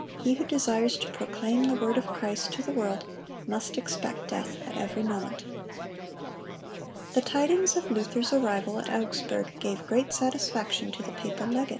He who desires to proclaim the word of Christ to the world, must expect death at every moment."(181) The tidings of Luther's arrival at Augsburg gave great satisfaction to the papal legate.